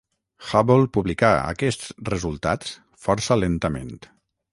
Hubble publicà aquests resultats força lentament.